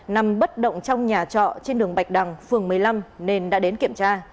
nằm bất động trong nhà trọ trên đường bạch đằng phường một mươi năm nên đã đến kiểm tra